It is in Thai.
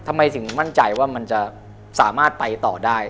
ทำไมถึงมั่นใจว่ามันจะสามารถไปต่อได้